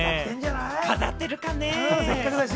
飾ってるかね。